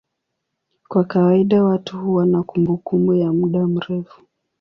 Kwa kawaida watu huwa na kumbukumbu ya muda mrefu.